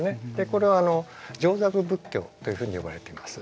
これは上座部仏教っていうふうに呼ばれています。